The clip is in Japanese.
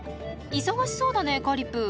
忙しそうだねカリプー。